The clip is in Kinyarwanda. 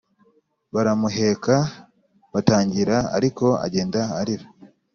baramuheka batangira ariko agenda arira